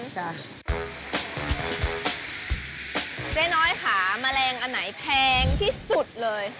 เจ๊น้อยค่ะแมลงอันไหนแพงที่สุดเลย